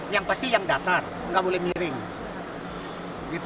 yang pasti yang datar nggak boleh miring